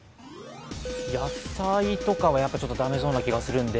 野菜とかは、やっぱり駄目そうな気がするんで。